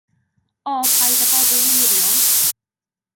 O, paid â bod yn wirion!